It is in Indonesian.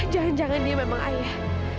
jangan jangan dia memang ayah